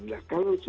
kalau dalam crypto